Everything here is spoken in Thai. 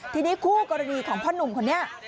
ทีนี้คู่กรณีของพ่อนุ่มคนนี้